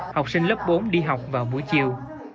học sinh lớp bốn đi học vào buổi chiều